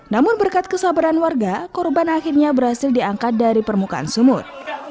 namun berkat kesabaran warga korban akhirnya berhasil diangkat dari permukaan sumur